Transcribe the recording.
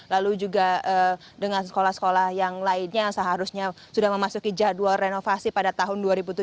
lalu juga dengan sekolah sekolah yang lainnya seharusnya sudah memasuki jadwal renovasi pada tahun dua ribu tujuh belas